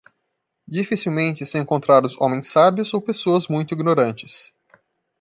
Dificilmente são encontrados homens sábios ou pessoas muito ignorantes.